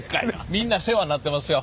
みんな世話になってますよ。